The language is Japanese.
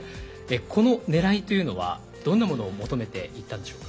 このねらいというのはどんなものを求めて行ったんでしょうか。